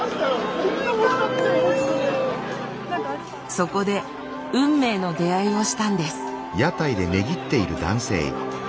そこで運命の出会いをしたんです。